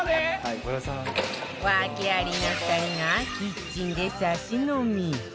訳ありの２人がキッチンでサシ飲み